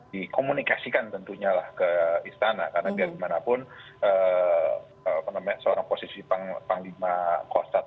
dikomunikasikan tentunya lah ke istana karena dari mana pun seorang posisi panglima konstat